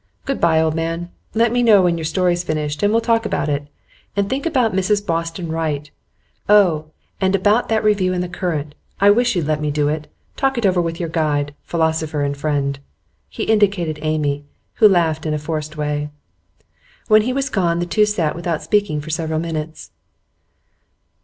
Good bye, old man. Let me know when your story's finished, and we'll talk about it. And think about Mrs Boston Wright; oh, and about that review in The Current. I wish you'd let me do it. Talk it over with your guide, philosopher, and friend.' He indicated Amy, who laughed in a forced way. When he was gone, the two sat without speaking for several minutes.